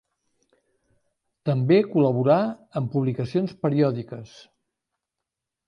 També col·laborà en publicacions periòdiques.